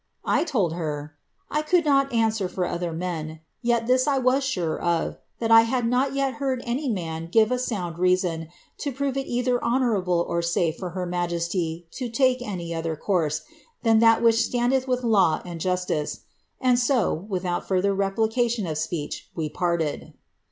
I told her, ' I could not answer for other men, this I was sure of, that I had never yet heard any man give a sound m to prove it either honourable or safe for her majesty to take any r course than that which standeth with law and justice ;' and so, ovt further replication or speech, we parted.